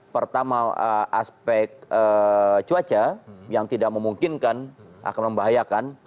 pertama aspek cuaca yang tidak memungkinkan akan membahayakan